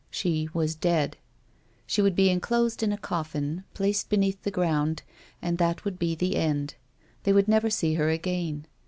She was dead ! She would be enclosed in a coffin, placed beneath the ground, and that would be the end ; they would never see her again.